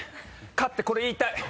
勝ってこれ言いたい。